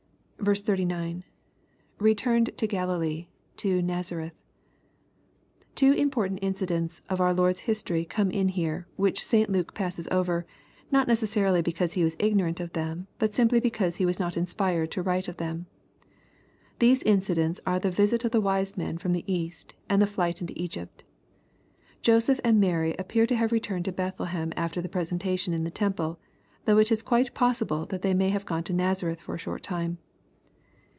^dry^Betumed into GoiUlee ,..io.,. Naasarefk^ Two important in cidents in our Lord's history come in here, which St. Luke passes over, not necessarily because he was ignorant of them, but simply because he was not inspired to write of thenu Those incidents are the vidt of the wise men from the East, and the flight into Egypt Joseph and Mary appear to have returned to Bethlehem s^ter the presentation in the temple, though it is quite possible that they may have gone to Nazareth for a short time.